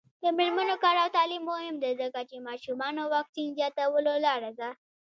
د میرمنو کار او تعلیم مهم دی ځکه چې ماشومانو واکسین زیاتولو لاره ده.